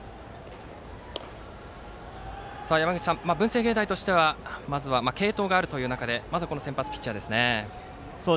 山口さん、文星芸大としては継投があるという中でまずはこの先発ピッチャーですね。